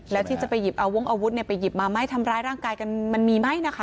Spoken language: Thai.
แล้วที่จะไปหยิบเอาวงอาวุธไปหยิบมาไหมทำร้ายร่างกายกันมันมีไหมนะคะ